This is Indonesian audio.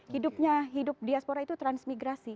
hidup diaspora itu transmigrasi